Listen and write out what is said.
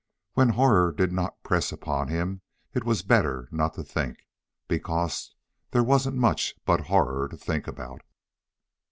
When horror did not press upon him, it was better not to think, because there wasn't much but horror to think about.